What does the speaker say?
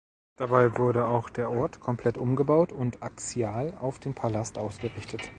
Dabei wurde auch der Ort komplett umgebaut und axial auf den Palast ausgerichtet.